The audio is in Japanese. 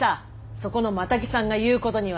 そこのマタギさんが言うことには。